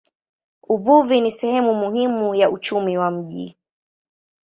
Uvuvi ni sehemu muhimu ya uchumi wa mji.